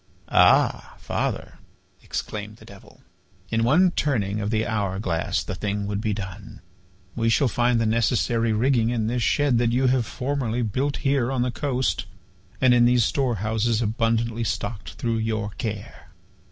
"Ah! father," exclaimed the Devil, "in one turning of the hour glass the thing would be done. We shall find the necessary rigging in this shed that you have formerly built here on the coast and in those store houses abundantly stocked through your care.